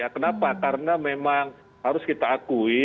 kenapa karena memang harus kita akui